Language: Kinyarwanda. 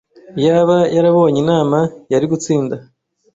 Iyaba yarabonye inama, yari gutsinda.